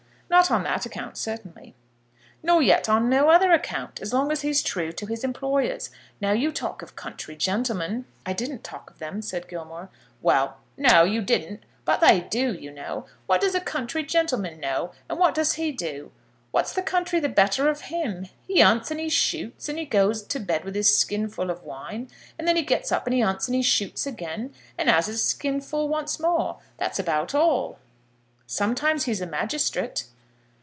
"Not on that account, certainly." "Nor yet on no other account, as long as he's true to his employers. Now you talk of country gentlemen." "I didn't talk of them," said Gilmore. "Well, no, you didn't; but they do, you know. What does a country gentleman know, and what does he do? What's the country the better of him? He 'unts, and he shoots, and he goes to bed with his skin full of wine, and then he gets up and he 'unts and he shoots again, and 'as his skin full once more. That's about all." "Sometimes he's a magistrate."